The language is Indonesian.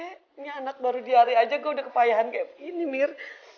ini anak baru diari aja gue udah kepayaan kayak begini mir